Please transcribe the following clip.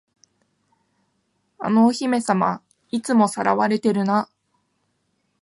あのお姫様、いつも掠われてるな。